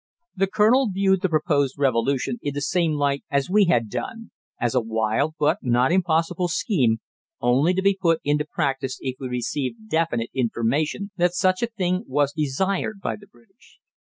The colonel viewed the proposed revolution in the same light as we had done, as a wild but not impossible scheme, only to be put into practice if we received definite information that such a thing was desired by the British.